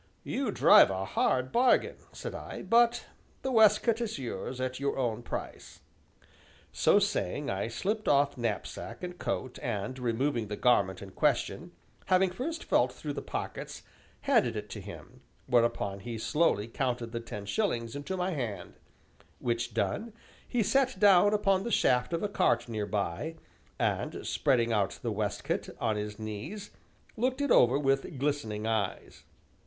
"You drive a hard bargain," said I, "but the waistcoat is yours at your own price." So saying, I slipped off knapsack and coat, and removing the garment in question, having first felt through the pockets, handed it to him, whereupon he slowly counted the ten shillings into my hand; which done, he sat down upon the shaft of a cart near by, and, spreading out the waistcoat on his knees, looked it over with glistening eyes.